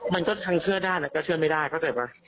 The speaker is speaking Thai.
มันก็ทั้งเชื่อด้านก็เชื่อไม่ได้เข้าใจป่ะ